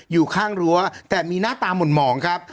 อยู่ข้างรั้วแต่มีหน้าตามุ่นหมองครับ